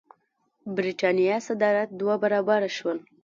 برېټانیا صادرات دوه برابره شول.